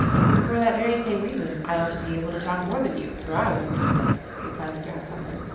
'And for that very same reason I ought to be able to talk more than you, for I was a Princess,' replied the Grasshopper.